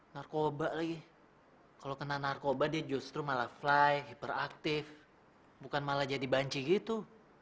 narkoba lagi kalau kena narkoba dia justru malah fly hiperaktif bukan malah jadi banci gitu